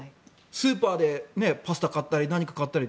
スーパーでパスタ買ったり何か買ったり。